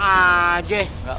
masa nih selesai